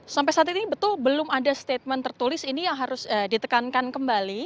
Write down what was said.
sampai saat ini betul belum ada statement tertulis ini yang harus ditekankan kembali